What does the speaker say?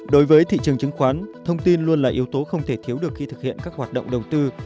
đối với thị trường chứng khoán thông tin luôn là yếu tố không thể thiếu được khi thực hiện các hoạt động đầu tư